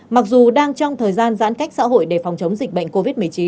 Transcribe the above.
mặc dù đang trong thời gian giãn cách xã hội để phòng chống dịch bệnh covid một mươi chín